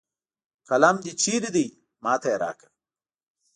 قلم د چېرته ده ما ته یې راکړه